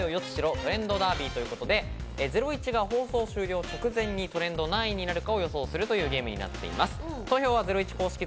トレンドダービー」ということで、『ゼロイチ』が放送終了直前にトレンド何位になるかを予想するというゲームになっています。